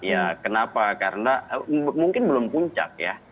ya kenapa karena mungkin belum puncak ya